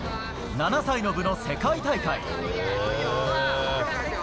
７歳の部の世界大会。